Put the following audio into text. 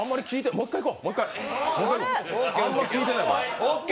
もう１回いこう。